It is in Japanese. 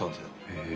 へえ。